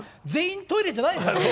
全員トイレじゃないでしょ？